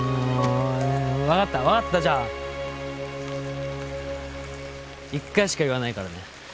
分かった分かったじゃあ一回しか言わないからね？